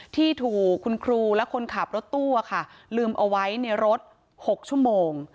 ที่ถูกคุณครูและคนขับรถตู้ลืมเอาไว้ในรถ๖ชั่วโมง